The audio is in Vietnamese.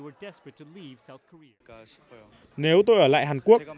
nếu tôi ở lại hàn quốc tôi sẽ phải làm việc ở mỹ